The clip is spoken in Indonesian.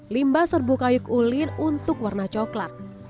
limbah serbu kayu kulin untuk warna coklat